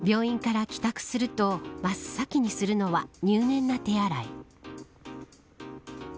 病院から帰宅すると真っ先にするのは入念な手洗い。